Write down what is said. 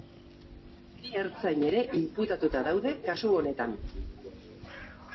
Bi ertzain ere inputatuta daude kasu honetan.